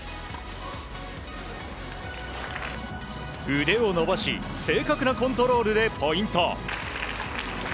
腕を伸ばし正確なコントロールでポイント。